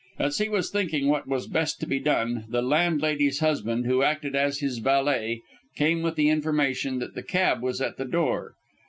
As he was thinking what was best to be done, the landlady's husband, who acted as his valet, came with the information that the cab was at the door.